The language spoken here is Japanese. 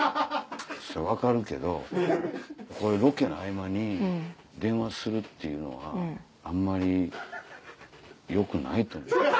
分かるけどこういうロケの合間に電話するっていうのはあんまりよくないと思う。